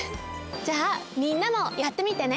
じゃあみんなもやってみてね！